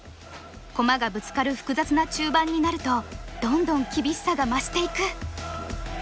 駒がぶつかる複雑な中盤になるとどんどん厳しさが増していく。